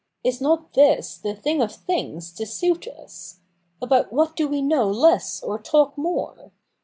' Is not this the thing of things to suit us? About what do we know less or talk more